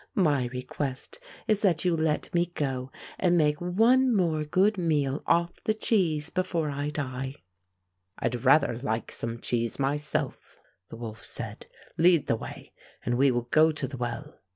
My request is that you let me go and make one more good meal ofip the cheese before I die." "I'd rather like some cheese myself," the wolf said. "Lead the way and we will go to the well."